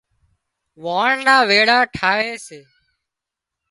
واڻ نا ويڙا ٺاهي سي